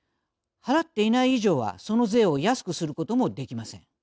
払っていない以上はその税を安くすることもできません。